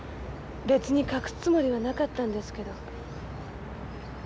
別に隠すつもりはなかったんですけど。